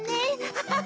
ハハハ！